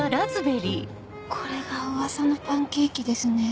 これが噂のパンケーキですね！